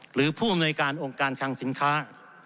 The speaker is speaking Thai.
หรือผู้อำนวยการองค์การคังสินค้า